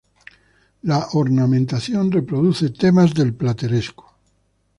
La ornamentación reproduce temas del plateresco.